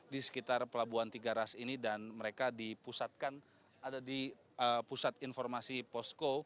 di sekitar pelabuhan tiga ras ini dan mereka dipusatkan ada di pusat informasi posko